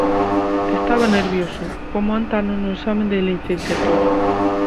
Estaba nervioso, como antano no exame de licenciatura.